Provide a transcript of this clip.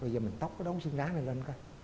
rồi giờ mình tóc cái đống xương lá này lên coi